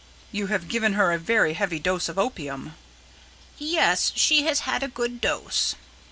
"You have given her a very heavy dose of opium." "Yes, she has had a good dose."